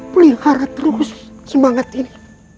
pelihara terus semangat ini